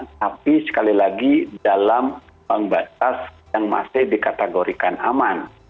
tapi sekali lagi dalam batas yang masih dikategorikan aman